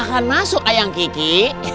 silahkan masuk ayang kiki